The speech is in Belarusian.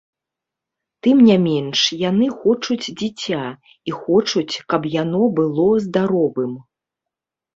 Тым не менш яны хочуць дзіця, і хочуць, каб яно было здаровым.